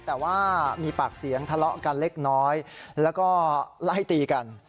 แต่ว่ามีปากเสียงทะเลาะกันเล็กน้อยแล้วก็ไล่ตีกัน